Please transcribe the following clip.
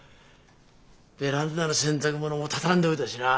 ベランダの洗濯物も畳んでおいたしな。